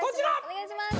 ・お願いします！